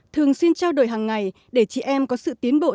thường xin trao đổi hàng ngày để chị em có sự tiến bộ